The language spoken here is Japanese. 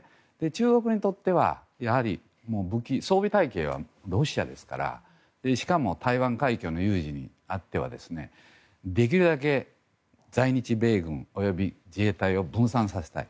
中国にとってはやはり武器、装備体系はロシアですからしかも台湾海峡の有事にあってはできるだけ在日米軍及び自衛隊を分散させたい。